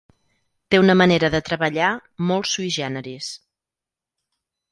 Té una manera de treballar molt 'sui generis'.